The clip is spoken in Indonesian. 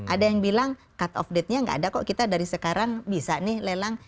ada yang bilang cut of date nya nggak ada kok kita dari sekarang bisa nih lelang